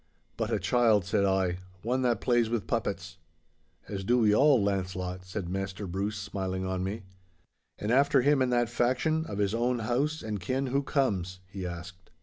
'But a child!' said I, 'one that plays with puppets.' 'As do we all, Launcelot,' said Maister Bruce, smiling on me. 'And after him in that faction, of his own house and kin who comes—?' he asked.